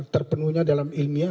terpenuhnya dalam ilmiah